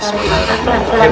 terima kasih pak